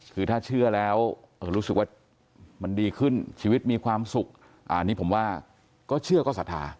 คือถ้าเชื่อแล้วรู้สึกว่ามันดีขึ้นชีวิตมีความสุขอันนี้ผมว่าก็เชื่อก็ศรัทธา